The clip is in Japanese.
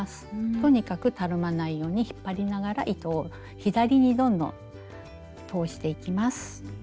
とにかくたるまないように引っ張りながら糸を左にどんどん通していきます。